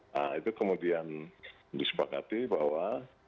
nah itu kemudian disepakati bahwa